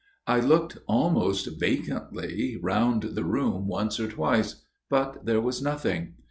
" I looked almost vacantly round the room once or twice ; but there was nothing.